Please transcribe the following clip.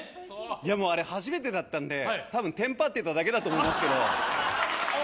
いやもうあれ、初めてだったんでテンパってただけじゃないかと思いますけど。